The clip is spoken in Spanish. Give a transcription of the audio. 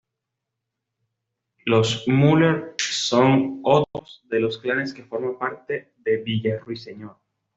Los Möller son otro de los clanes que forma parte de Villa Ruiseñor.